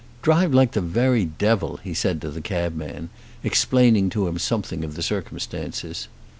"Drive like the very devil," he said to the cabman, explaining to him something of the circumstances.